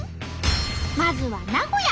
まずは名古屋。